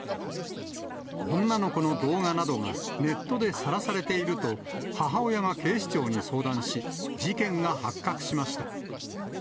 女の子の動画などが、ネットでさらされていると、母親が警視庁に相談し、事件が発覚しました。